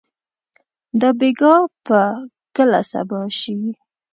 دا بېګا به کله صبا شي؟